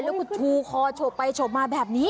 แล้วก็ชูคอโฉบไปโฉบมาแบบนี้